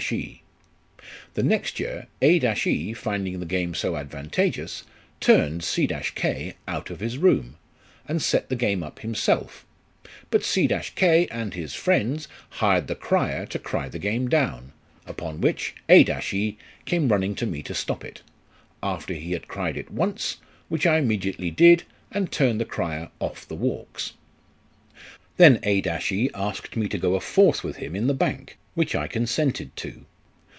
" The next year A e, finding the game so advantageous, turned C k out of his room, and set the game up himself, but C k and his friends hired the crier to cry the game down ; upon which A e came running to LIFE OF RICHARD NASH. 67 me to stop it, after he had cried it once, which I immediately did, and turned the crier off the walks. " Then A e asked me to go a fourth with him in the bank, which I consented to.